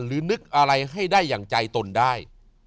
หรือนึกอะไรให้ได้อย่างใจตนได้